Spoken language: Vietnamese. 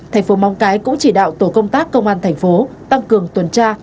thành phố móng cái cũng chỉ đạo tổ công tác công an thành phố tăng cường tuần tra